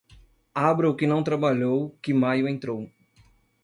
Abra o que não trabalhou, que maio entrou.